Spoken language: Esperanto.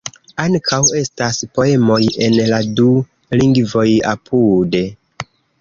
Ankaŭ estas poemoj en la du lingvoj apude.